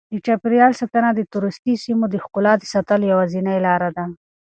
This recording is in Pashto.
د چاپیریال ساتنه د توریستي سیمو د ښکلا د ساتلو یوازینۍ لاره ده.